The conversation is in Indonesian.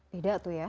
beda tuh ya